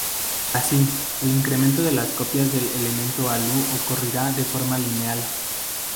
Así, el incremento de las copias del elemento Alu ocurrirá de forma lineal.